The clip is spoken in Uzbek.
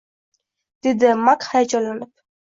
dedi Mak hayajonlanib